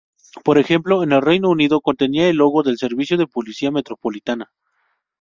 Por ejemplo, en el Reino Unido, contenía el logo del Servicio de Policía Metropolitana.